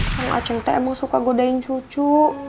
kang aceh teh emang suka godain cucu